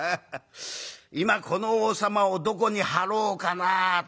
今この王様をどこに張ろうかなと」。